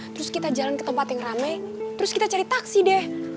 terus kita jalan ke tempat yang rame terus kita cari taksi deh